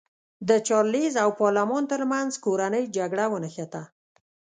د چارلېز او پارلمان ترمنځ کورنۍ جګړه ونښته.